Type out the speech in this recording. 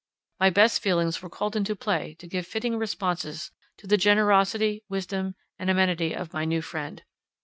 My best feelings were called into play to give fitting responses to the generosity, wisdom, and amenity of my new friend.